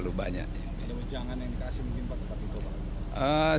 ada ujangan yang dikasih mungkin pak tito